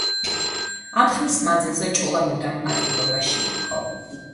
ამ ხნის მანძილზე ჭოლა მუდამ პატიმრობაში იყო.